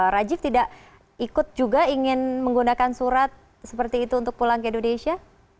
rajiv tidak ikut juga ingin menggunakan surat seperti itu untuk pulang ke indonesia